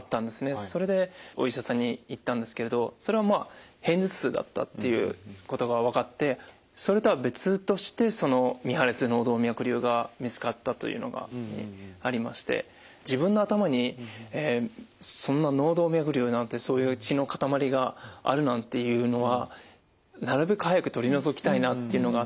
それでお医者さんに行ったんですけれどそれはまあ偏頭痛だったっていうことが分かってそれとは別としてその未破裂脳動脈瘤が見つかったというのがありまして自分の頭にそんな脳動脈瘤なんてそういう血の塊があるなんていうのはなるべく早く取り除きたいなっていうのがあって。